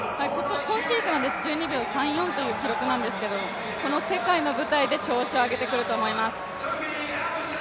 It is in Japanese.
今シーズンは１２秒３４という記録なんですけど世界の舞台で調子を上げてくると思います。